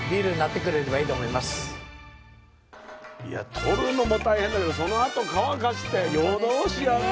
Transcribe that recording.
取るのも大変だけどそのあと乾かして夜通しやってるという。